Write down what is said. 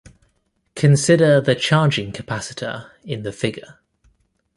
Consider the charging capacitor in the figure.